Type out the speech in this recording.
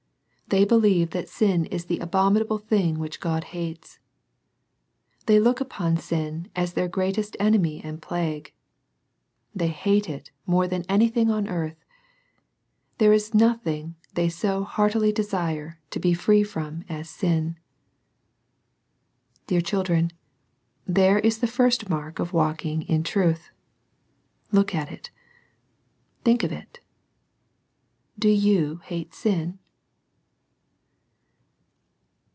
They believe that sin is the abominable thing which God hates. They look upon sin as their great est enemy and plague. They hate it more than anything on earth. There is nothing they so heartily desire to be free from as sin. Dear children, there is the first mark of walk ing in truth. Look at it. Think of it. Do you hate sin